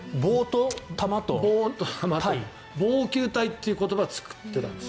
棒球隊という言葉を作ってたんです。